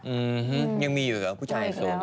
อื้อฮึยังมีอยู่เหรอ